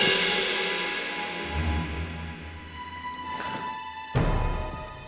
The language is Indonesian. tante laura kebetulan